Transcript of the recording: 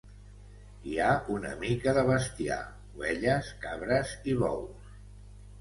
Hi ha una mica de bestiar: ovelles, cabres i bous.